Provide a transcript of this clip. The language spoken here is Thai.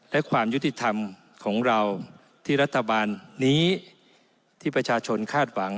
และความยุติธรรมของเราที่รัฐบาลนี้ที่ประชาชนคาดหวัง